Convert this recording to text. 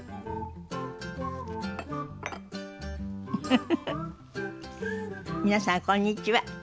フフフフ皆さんこんにちは。